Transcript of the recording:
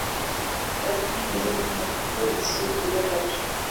Tanzania imejenga bandari kubwa zisizo pungua tatu